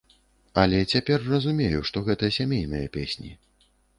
Але цяпер разумею, што гэта сямейныя песні.